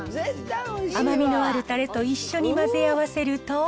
甘みのあるたれと一緒に混ぜ合わせると。